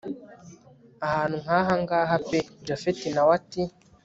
ahantu nkahangaha pe! japhet nawe ati